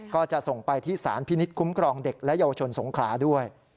ก็จะส่งไปที่สารพินิษฐ์คุ้มครองเด็กและเยาวชนสงขลาด้วย